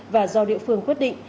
và do địa phương quyết định